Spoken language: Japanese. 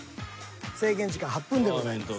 制限時間８分でございます。